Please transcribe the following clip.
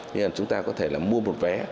nên chúng ta có thể là mua một vé